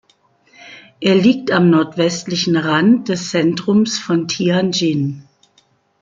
Er liegt am nordwestlichen Rand des Zentrums von Tianjin.